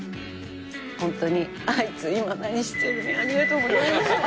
ホントに『あいつ今何してる？』にありがとうございました。